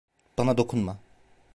Bana dokunma.